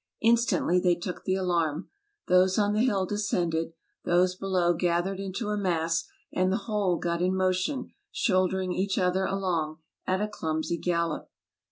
In stantly they took the alarm; those on the hill descended; those below gathered into a mass and the whole got in mo tion, shouldering each other along at a clumsy gallop.